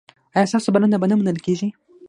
ایا ستاسو بلنه به نه منل کیږي؟